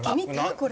これ。